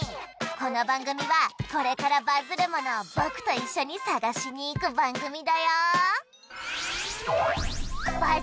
この番組はこれからバズるものを僕と一緒に探しにいく番組だよ